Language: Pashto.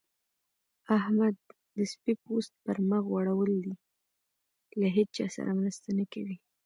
احمد د سپي پوست پر مخ غوړول دی؛ له هيچا سره مرسته نه کوي.